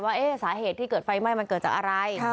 ว่าสาเหตุที่เกิดไฟไหม้มันเกิดจากอะไร